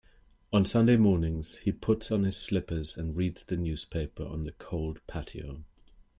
On Sunday mornings, he puts on his slippers and reads the newspaper on the cold patio.